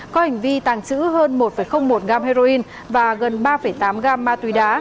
có hành vi tàng trữ hơn một một gam heroin và gần ba tám gam ma tuy đá